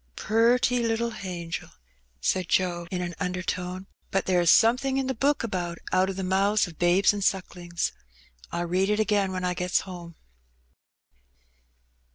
^^Purty little hangel!" said Joe, in an undertone. '^But lere is somethin' in the Book about 'out of the mouths f babes an' sucklings.' I'll read it again when I gets ome."